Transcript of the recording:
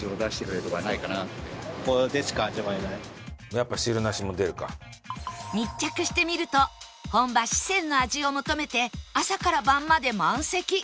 そんなに密着してみると本場四川の味を求めて朝から晩まで満席